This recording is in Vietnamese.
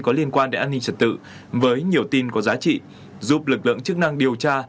có liên quan đến an ninh trật tự với nhiều tin có giá trị giúp lực lượng chức năng điều tra